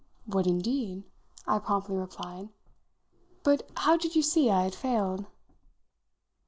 "What, indeed?" I promptly replied. "But how did you see I had failed?"